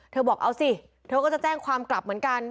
บอกเอาสิเธอก็จะแจ้งความกลับเหมือนกัน